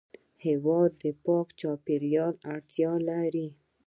هېواد د پاک چاپېریال اړتیا لري.